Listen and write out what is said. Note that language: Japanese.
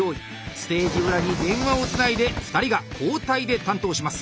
ステージ裏に電話をつないで２人が交代で担当します。